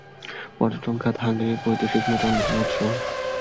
পর্যটন খাত হাঙ্গেরির বৈদেশিক মুদ্রার অন্যতম উৎস।